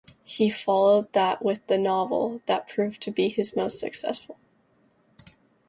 He followed that with the novel that proved to be his most successful.